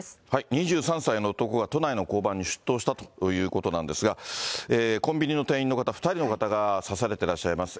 ２３歳の男が都内の交番に出頭したということなんですが、コンビニの店員の方、２人の方が刺されてらっしゃいます。